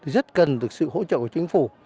rất cần được sự hỗ trợ của chính phủ